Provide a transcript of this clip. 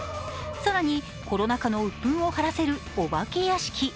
更に、コロナ禍の鬱憤を晴らせるお化け屋敷。